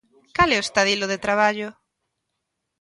¿Cal é o estadilo de traballo?